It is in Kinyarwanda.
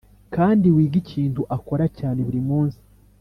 kandi wige ibintu akora cyane buri munsi